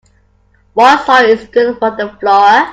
Moist soil is good for the flora.